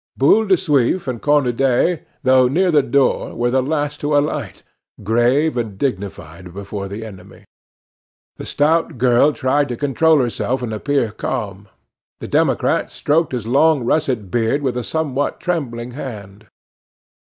Boule de Suif and Cornudet, though near the door, were the last to alight, grave and dignified before the enemy. The stout girl tried to control herself and appear calm; the democrat stroked his long russet beard with a somewhat trembling hand.